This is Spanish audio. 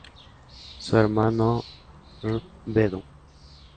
Su hermano el Rvdo.